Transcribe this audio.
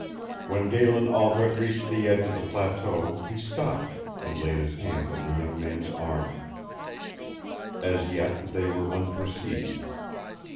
When Galen Albret reached the edge of the plateau he stopped, and laid his hand on the young man's arm. As yet they were unperceived.